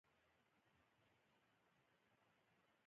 د متین د سندرې شور مې د زړه پردې غږولې.